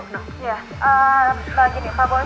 pak bo mendingan disini aja jagain